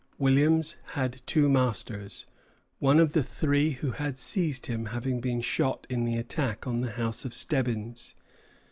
Williams had two masters, one of the three who had seized him having been shot in the attack on the house of Stebbins.